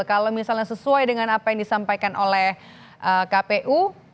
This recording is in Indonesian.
kalau misalnya sesuai dengan apa yang disampaikan oleh kpu